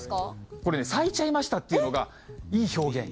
これね、咲いちゃいましたっていうのが、いい表現。